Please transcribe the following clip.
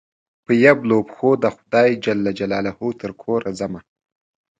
په يبلو پښو دخدای ج ترکوره ځمه